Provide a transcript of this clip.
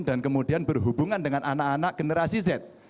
dan kemudian berhubungan dengan anak anak generasi z